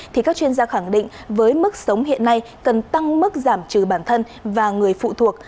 thì các chuyên gia khẳng định với mức sống hiện nay cần tăng mức giảm trừ bản thân và người phụ thuộc